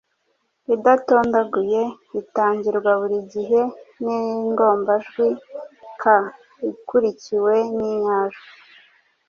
idatondaguye. Itangirwa buri gihe n’ingombajwi «k» ikurikiwe n’inyajwi